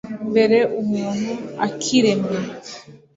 Mbere umuntu akiremwa